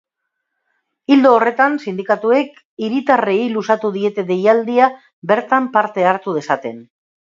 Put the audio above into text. Ildo horretan, sindikatuek hiritarrei luzatu diete deialdia bertan parte hartu dezaten.